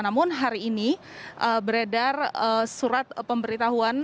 namun hari ini beredar surat pemberitahuan